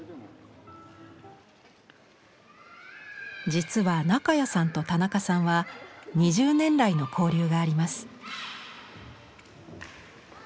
実は中谷さんと田中さんは２０年来の交流があります。